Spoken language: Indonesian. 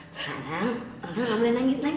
sekarang enggak boleh nangis lagi